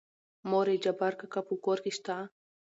مورې جبار کاکا په کور کې شته؟